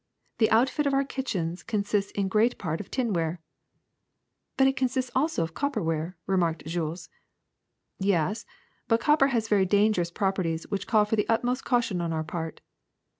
The outfit of our kitchens consists in great part of tinware. '' But it consists also of copper ware/ ' remarked Jules. Yes; but copper has very dangerous properties which call for the utmost caution on our part.